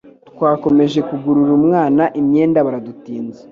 twakomeje kugurira umwana imyenda biradutinza